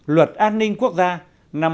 luật an ninh quốc gia năm hai nghìn bốn